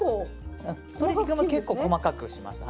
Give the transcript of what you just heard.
鶏肉も結構細かくします。